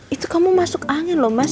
itu kamu masuk angin loh mas